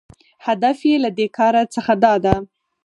هدف یې له دې کاره څخه داده